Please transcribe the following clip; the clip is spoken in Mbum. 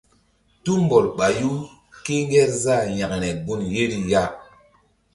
Tumbɔl ɓayu kéngerzah yȩkre gun yeri ya.